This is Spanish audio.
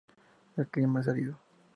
El clima es árido.